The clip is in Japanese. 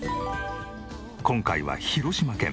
今回は広島県。